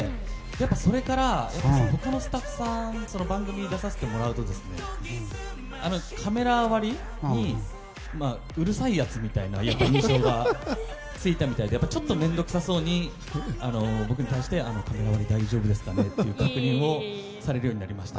それから他のスタッフさん番組に出させてもらうとカメラ割りにうるさいやつみたいな印象がついたみたいでちょっと面倒くさそうに僕に対してカメラ割り大丈夫ですかねって確認をされるようになりました。